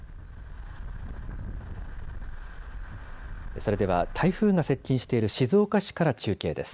それでは台風が接近している静岡市から中継です。